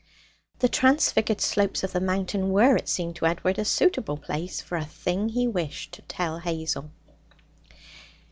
The transfigured slopes of the mountain were, it seemed to Edward, a suitable place for a thing he wished to tell Hazel.